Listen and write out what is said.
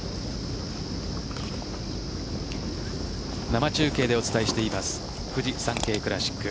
生中継でお伝えしていますフジサンケイクラシック。